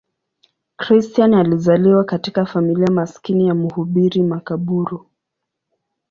Christian alizaliwa katika familia maskini ya mhubiri makaburu.